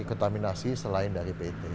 kontaminasi selain dari pet